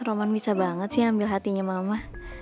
roman bisa banget sih ambil hatinya mama